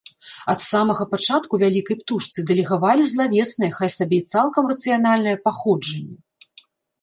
Ад самага пачатку вялікай птушцы дэлегавалі злавеснае, хай сабе і цалкам рацыянальнае, паходжанне.